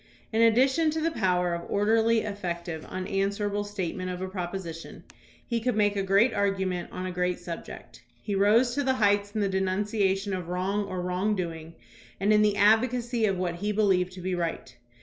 '* In addition to the power of orderly, effective, un answerable statement of a proposition, he could make a great argument on a great subject. He rose to the heights in the denunciation of wrong or wrong doing and in the advocacy of what he believed to be right.